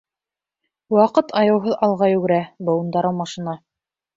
Ваҡыт аяуһыҙ алға йүгерә, быуындар алмашына.